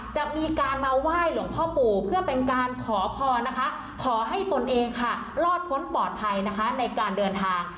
จะมีการมาไหว้หลวงพ่อปู่เพื่อเป็นการขอพรนะคะขอให้ตนเองค่ะรอดพ้นปลอดภัยนะคะในการเดินทาง